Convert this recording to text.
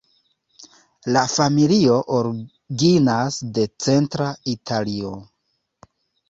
La familio originas de centra Italio.